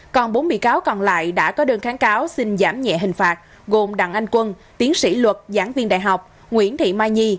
còn bốn bị cáo còn lại đã có đơn kháng cáo xin giảm nhẹ hình phạt gồm đặng anh quân tiến sĩ luật giảng viên đại học nguyễn thị mai nhi